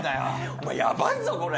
お前ヤバいぞこれ。